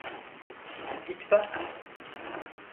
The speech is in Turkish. Git bak.